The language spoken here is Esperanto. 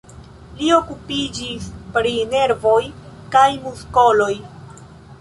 Li okupiĝis pri nervoj kaj muskoloj.